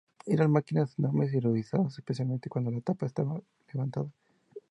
Eran máquinas enormes y ruidosas, especialmente cuando la tapa estaba levantada.